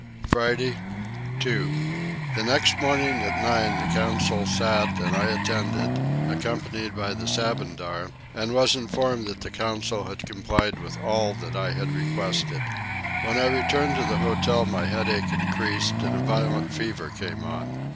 Friday 2. The next morning at nine the council sat and I attended, accompanied by the Sabandar; and was informed that the council had complied with all I had requested. When I returned to the hotel my headache increased and a violent fever came on.